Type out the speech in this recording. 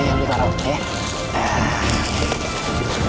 kalian bisa zur journal